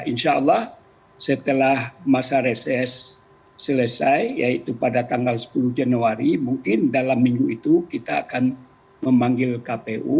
insya allah setelah masa reses selesai yaitu pada tanggal sepuluh januari mungkin dalam minggu itu kita akan memanggil kpu